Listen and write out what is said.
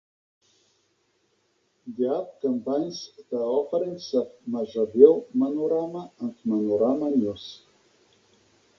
The app combines the offerings of Mazhavil Manorama and Manorama News.